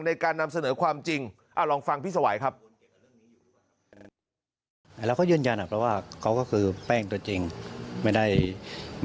ในการนำเสนอความจริงลองฟังพี่สวัยครับ